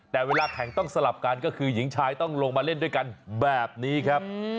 แต่เวลาแข่งต้องสลับกันก็คือหญิงชายต้องลงมาเล่นด้วยกันแบบนี้ครับ